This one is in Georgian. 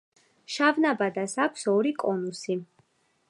შავნაბადას აქვს ორი კონუსი.